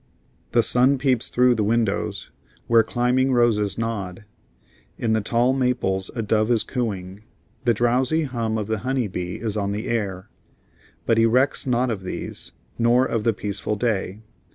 The sun peeps through the windows, where climbing roses nod. In the tall maples a dove is cooing; the drowsy hum of the honey bee is on the air. But he recks not of these, nor of the peaceful day.